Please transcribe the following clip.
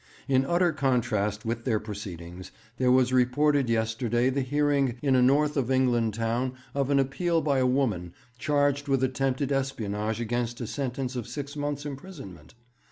In utter contrast with their proceedings, there was reported yesterday the hearing in a North of England town of an appeal by a woman charged with attempted espionage against a sentence of six months' imprisonment.